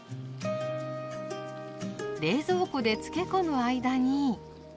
冷蔵庫で漬け込む間に。